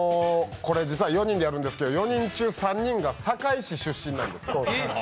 これ実は４人でやるんですけど４人中３人が堺市出身なんです。